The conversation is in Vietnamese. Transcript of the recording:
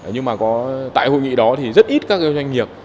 nhưng mà tại hội nghị đó thì rất ít các doanh nghiệp